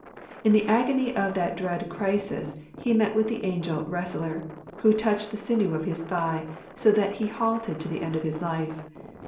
In the agony of that dread crisis he met with the Angel Wrestler, who touched the sinew of his thigh, so that he halted to the end of his life.